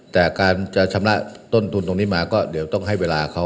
แต่การจะชำระต้นทุนตรงนี้มาก็เดี๋ยวต้องให้เวลาเขา